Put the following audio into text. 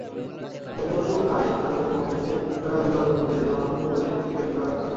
বন্যপশুপ্রায় আরব এক মহাপুরুষের প্রেরণাবলে অদম্য তেজে, অনাহত বলে পৃথিবীর উপর আঘাত করলে।